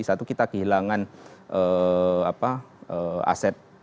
satu kita kehilangan aset